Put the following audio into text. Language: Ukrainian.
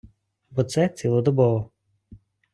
Бо це цілодобово.